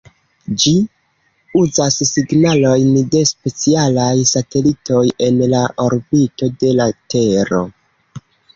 Ĝi uzas signalojn de specialaj satelitoj en la orbito de la tero.